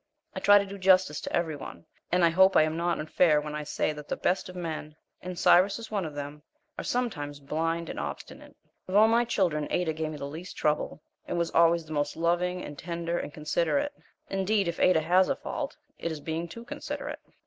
I try to do justice to every one, and I hope I am not unfair when I say that the best of men, and Cyrus is one of them, are sometimes blind and obstinate. Of all my children, Ada gave me the least trouble, and was always the most loving and tender and considerate. Indeed, if Ada has a fault, it is being too considerate.